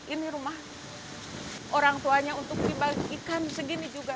ini rumah orang tuanya untuk dibagi ikan segini juga